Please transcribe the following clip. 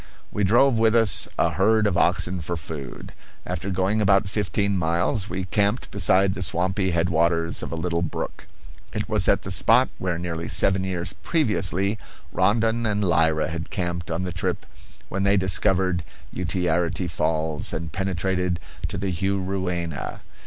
We drove with us a herd of oxen for food. After going about fifteen miles we camped beside the swampy headwaters of a little brook. It was at the spot where nearly seven years previously Rondon and Lyra had camped on the trip when they discovered Utiarity Falls and penetrated to the Juruena.